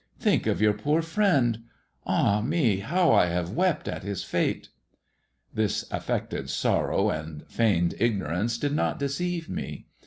Think of your poor friend. Ah me I how I have wept at his fate !" This affected sorrow and feigned ignorance did not deceive me.